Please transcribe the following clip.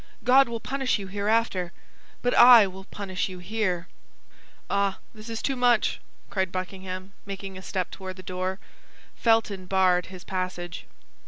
God will punish you hereafter, but I will punish you here!" "Ah, this is too much!" cried Buckingham, making a step toward the door. Felton barred his passage.